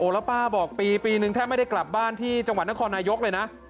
แล้วป้าบอกปีนึงแทบไม่ได้กลับบ้านที่จังหวัดนครนายกเลยนะ